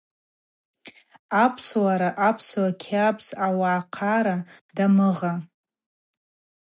Апсуара, апсуа кьабз, ауагӏахъара дамыгъа.